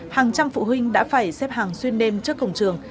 hàng trăm phụ huynh đã phải xếp hàng xuyên đêm trước cổng trường